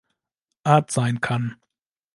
Art sein kann.